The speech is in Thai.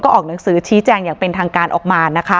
ออกหนังสือชี้แจงเป็นทางการออกมา